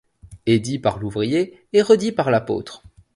Est dit par l'ouvrier et redit par l'apôtre ;